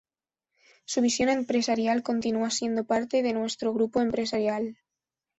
Su visión empresarial continúa siendo parte de nuestro Grupo Empresarial.